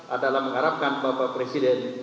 adalah mengharapkan bapak presiden